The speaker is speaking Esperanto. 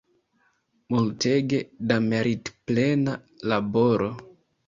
Multege da meritplena laboro!